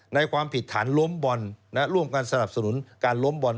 ความผิดฐานล้มบอลร่วมกันสนับสนุนการล้มบอล